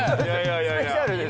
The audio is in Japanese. スペシャルですよ。